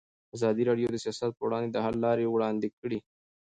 ازادي راډیو د سیاست پر وړاندې د حل لارې وړاندې کړي.